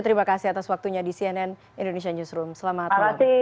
terima kasih atas waktunya di cnn indonesia newsroom selamat malam